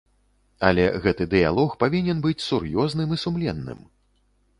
Але гэты дыялог павінен быць сур'ёзным і сумленным.